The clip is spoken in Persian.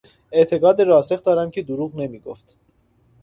اعتقاد راسخ دارم که دروغ نمیگفت.